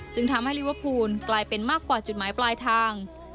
จึงทำให้ลิเวอร์พูลกลายเป็นมากกว่าจุดหมายปลายทาง